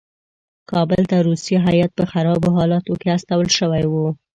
کابل ته روسي هیات په خرابو حالاتو کې استول شوی وو.